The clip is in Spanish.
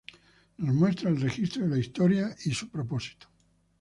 Nos muestra el registro de la historia y su propósito.